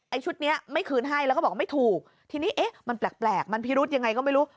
ชุดนี้ไม่คืนให้แล้วก็บอกไม่ถูกทีนี้เอ๊ะมันแปลกมันพิรุธยังไงก็ไม่รู้